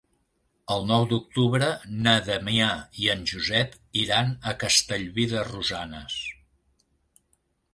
El nou d'octubre na Damià i en Josep iran a Castellví de Rosanes.